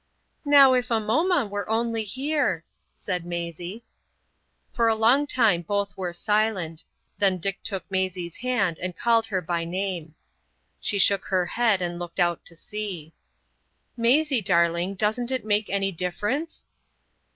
"Now, if Ammoma were only here!" said Maisie. For a long time both were silent. Then Dick took Maisie's hand and called her by her name. She shook her head and looked out to sea. "Maisie, darling, doesn't it make any difference?"